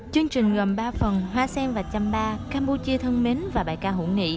chương trình gồm ba phần hoa sen và chăm ba campuchia thân mến và bài ca hữu nghị